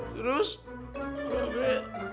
terus mbak be